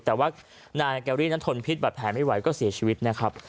แต่ว่านายแกรี่นั้นทนพิษบัตแผลไม่ไหวก็เสียชีวิตนะครับ